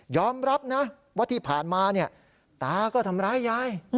ยอมรับนะว่าที่ผ่านมาตาก็ทำร้ายยาย